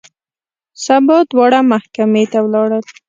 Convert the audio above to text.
سبا دواړه محکمې ته ولاړل.